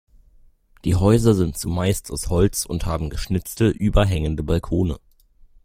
Die Häuser sind zumeist aus Holz und haben geschnitzte überhängende Balkone.